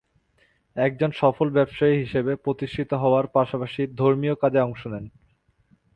একজন সফল ব্যবসায়ী হিসেবে প্রতিষ্ঠিত হওয়ার পাশাপাশি ধর্মীয় কাজে অংশ নেন।